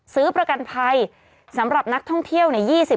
ซื้อประกันภัยสำหรับนักท่องเที่ยวเนี่ย